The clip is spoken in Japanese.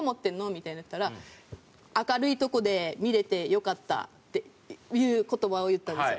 みたいに言ったら「明るいとこで見れてよかった」っていう言葉を言ったんですよ。